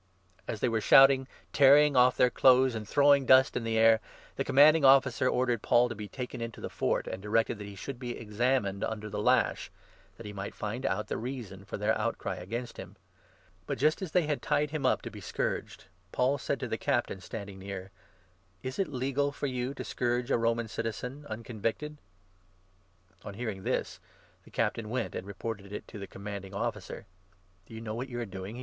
" As they were shouting, tearing off their clothes, and throwing 23 dust in the air, the Commanding Officer ordered Paul to be 24 taken into the Fort, and directed that he should be examined under the lash, that he might find out the reason for their outcry against him. But just as they had tied him up to be 25 scourged, Paul said to the Captain standing near : "Is it legal for you to scourge a Roman citizen, uncon victed ?" On hearing this, the Captain went and reported it to the Com 26 manding Officer. " Do you know what you are doing